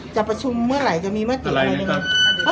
จะประชุมเมื่อไหร่จะมีเมื่อเจ็บอะไรนะครับ